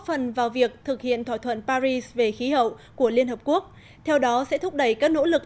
phần vào việc thực hiện thỏa thuận paris về khí hậu của liên hợp quốc theo đó sẽ thúc đẩy các nỗ lực